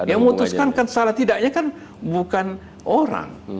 yang memutuskan kan salah tidaknya kan bukan orang